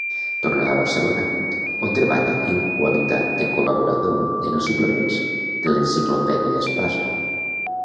Tornà a Barcelona, on treballa en qualitat de col·laborador en els Suplements de l'Enciclopèdia Espasa.